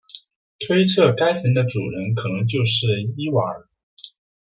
推测该坟的主人可能就是伊瓦尔。